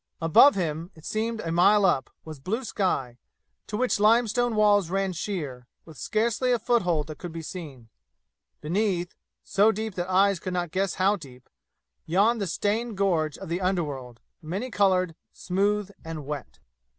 Above him, it seemed a mile up, was blue sky, to which limestone walls ran sheer, with scarcely a foothold that could be seen. Beneath, so deep that eyes could not guess how deep, yawned the stained gorge of the underworld, many colored, smooth and wet.